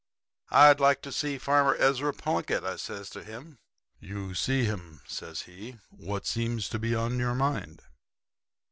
"'I'd like to see Farmer Ezra Plunkett,' says I to him. "'You see him,' says he. 'What seems to be on your mind?'